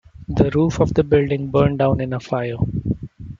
The roof of the building burned down in a fire.